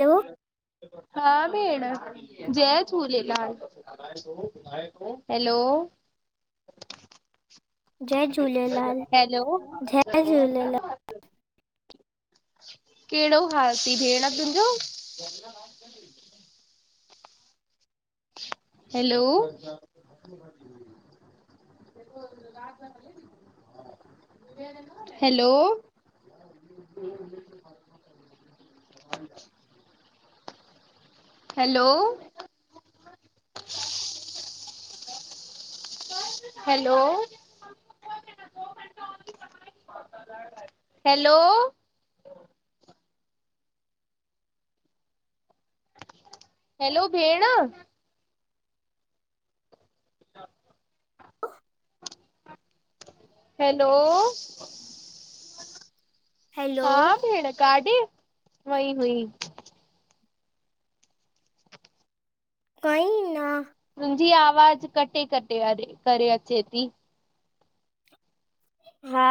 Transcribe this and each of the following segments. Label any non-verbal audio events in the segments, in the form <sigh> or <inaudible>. Hello हा, भेण, जय झूलेलाल, हेलो जय झूलेलाल हैलो जय झूलेलाल कहिॾो हाल थी भेण तुंहिंजो hello <unintelligible> hello hello hello <unintelligible> hello hello भेण <inaudible> हेलो हैलो हा भेण काॾै वई हुई। काई ना। तुंहिंजी आवाज़ कटे -कटे करे अचे ती। हा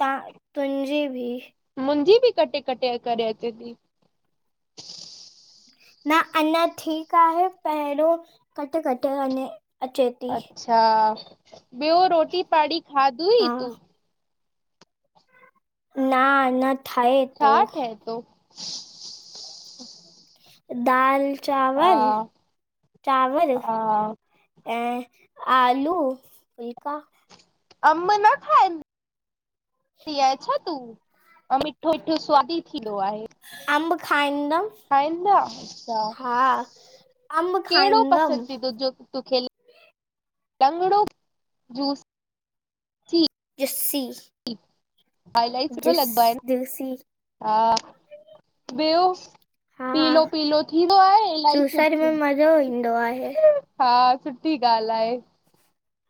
तां तुंहजी भी। मुंजी बी कटे -कटे करे अचे ती। न अञा ठीक आह न पहेरो कटे कटे वञे अच्छा ॿयो रोटी पाड़ी खादई तूं? ना न ठहे छा थो ठए तो? दाल चांवर हा चांवर हा ऐं आलू फुलका अम्ब न खाए दी आए छा तूं? ऐं मिठो मिठो स्वादी थींदो आहे। अंब खाईंदम। खाईंदा अच्छा अंब केहड़ो खाईंदमि पसंद ती तोहखे? तोखे लंगड़ो जूस किस्सी <unintelligible> सुठो लॻदो आहे न? जूसी हा ॿियो हा पीलो पीलो थींदो आहे इलाही जूसर में सुठो। मज़ो ईंदो आहे हा सुठी ॻाल्ह आहे।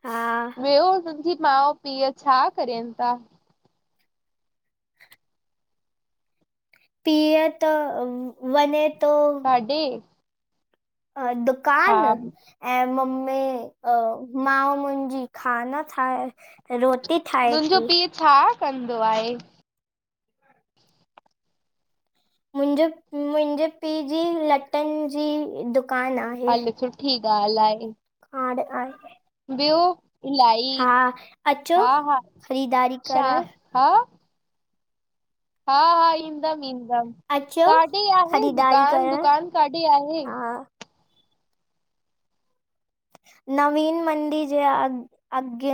हा वेहो उनन जी मा पी छा करन था? पीअ त वञे तो। कॾे? अ दुकान ऐं मम्मी अ मां मुंहिंजी खाना ठाहे। रोटी ठाहे तुंहिंजो ती। पीउ छा कंदो आहे? मुंहिंजो मुंहिंजे पी जी लटन जी दुकान आहे। हल सुठी ॻाल्ह आहे। हाड़ आहे। ॿियो इलाही हा अचो हा हा ख़रीदारी छा करण हा। हा हा ईंदम ईंदम अचो काॾे आहे ख़रीदारी दुकान करण दुकान काॾे आहे? हा नवीन मंडी जे आ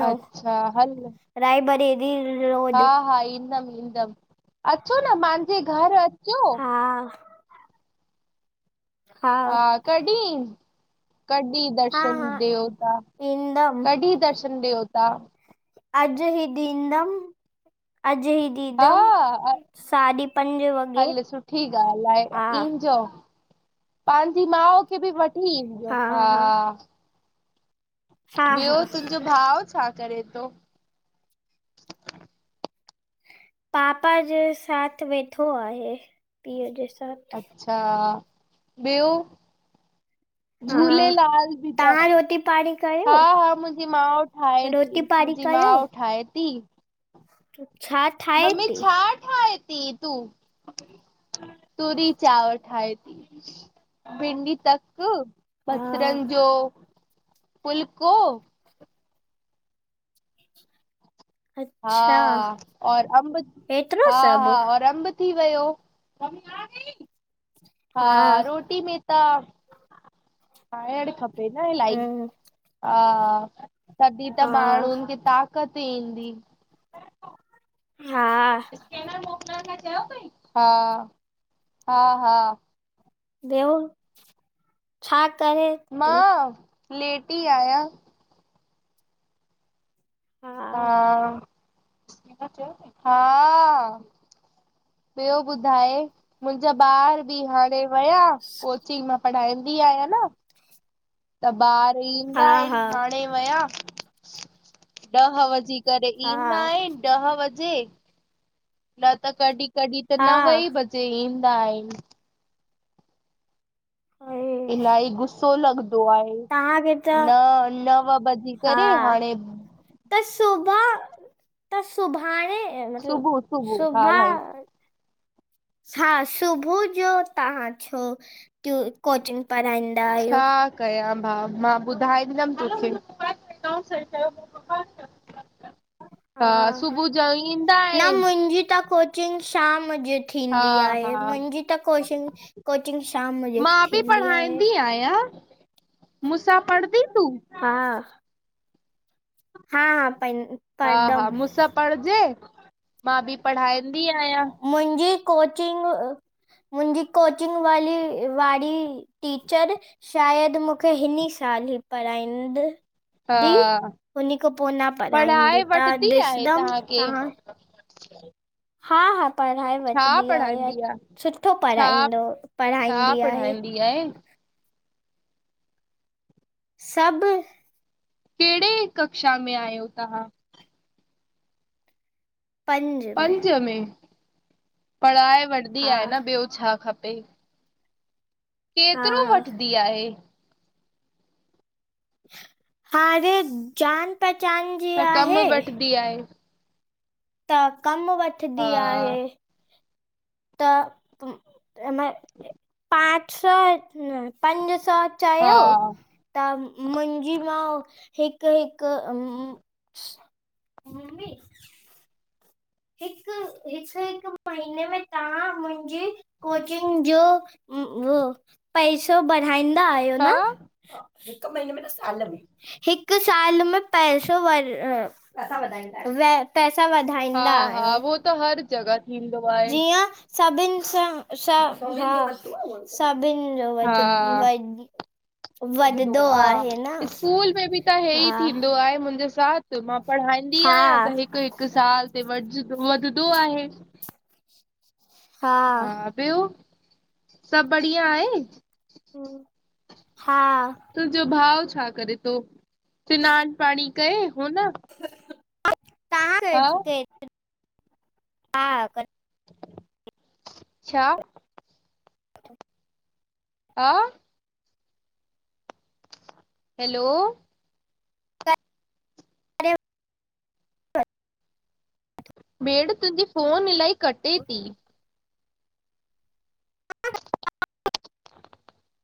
अच्छा हल राय बरली <unintelligible> हा हा ईंदम ईंदम अचो न मांजे घर अचो। हा हा कॾहिं कॾहि? हा दर्शन हा देवता ईंदमि कढहिं दर्शन देवता अॼु ही ॾिदम अॼु ई दीदम हा साढी पंज वॻे हल सुठी ॻाल्ह आहे हा इंजो। पंहिंजी माउ खे बि वठी ईंजो। हा हा हा ॿियो हा तुंहजो भाउ छा करे थो? पापा जे साथ वेठो आहे पीउ जे साथ। अच्छा ॿियो झूलेलाल बी त पाण करे हां-हां, मुंहिंजी माँ ठाहे थी, पाणी मुंहिंजी माँ कयो ठाहे थी। छा? ठाहे मम्मी थी छा? ठाहे थी तूं? तूरी चाव ठहे थी। भिंडी तक, हा बसरनि जो फुल्को। अच्छा हां, और अमब, एतिरो सभु हां-हां, और अमब थी वियो। हा हां, रोटी में त, खाइणु खपे न इलाही। हम्म, हां, तॾहिं त हा माण्हुनि खे ताक़त ईंदी। हां। हां, हां-हां। बियो? छा करे? मां लेट ई आहियां। हा हां, हां। ॿियो ॿुधाए? मुंहिंजा ॿार हाणे वया। कोचिंग मां पढ़ाईंदी आहियां न। त ॿार हा ईंदा आहिन। हा हाणे वया। ॾह वजेी करे हा ईंदा आहिन। ॾह वजे। न त कॾहिं कॾहिं त नव हा ई बजे ईंदा आहिन। अड़े इलही गुसो लॻंदो आहे। तव्हांखे त न नव बजेी करे। हा हाणे त सुभह, त सुभाणे ऐं मतलब सुबुह सुबुह हा शोभा भाई हां, सुबुह जो तव्हां छो टू कोचिंग पढ़ाईंदा आहियो? कयया भाउ मां ॿुधाईंदंदमि तोखे। त सुबुह जो ईंदा आहिन। मुंह जी ता को कुचिंग शाम जे हा थींदी हा आहे। मुंहिंजी त कोशिंग कोचिंग शाम जी थींदी आहे। मुसा पड़दी तूं? हां। हां-हां, प हां-हां, मूंसां पढ़जे, मां बि पढ़ाईंदी आहियां। मुंहिंजी कोचिंग मुंहिंजी कोचिंग वी वारी टीचर शायदि मूंखे हिन साल ई पढ़ाईंदड़ दी, हा हुन खां पोइ न पढ़ाए पढ़ाईंदी। त वठंदी आहे ॾिसंदमि तव्हांखे तव्हां हां-हां, पढ़ाए छा वठंदी आहे। पढ़ाईंदी सुठो छा पढ़ाईंदो, छा पढ़ाईंदी आहे। <inaudible> सब कहिड़े कक्षा में आहियो तव्हां? पंज में, पढ़ाई वठंदी हा आहे न। ॿियो छा खपे? हा केतिरो वठंदी आहे। हाणे जान-पहचान त कम वठदी आहे। त कमु हा वठंदी आहे। त, पाच सौ, पंज सौ हा चयो त मुंहिंजी माउ हिकु हिकु मम्मी हिकु हिकु हिकु महीने में तव्हां मुंहिंजी कोचिंग जो उह, पैसो बड़ाईंदा आहियो हा न? हिक महीने में न साल में। हिकु साल में पैसो व, पैसा वधाईंदा आहियो। हा वधाईंदा हा आहियूं वो त हर जॻह थींदो आहे। जीअं सभिनी सां हा सभिनी जो हा वध वध वधदो आ। स्कूल में बि त हे ई हा थींदो आहे मुंहिंजे साथ। त मां पढ़ाईंदी आहियां हा त हिकु हिकु साल ते वध, वधंदो आहे। हा ॿियो, सभु बढ़िया आहे? हा। तुंहिंजो भाउ छा करे थो? सिनानु पाणी करे हो न? तव्हां हा <unintelligible> छा? हा। हैलो अरे भेण तुंहिंजी फोन इलाही कटे थी। <unintelligible>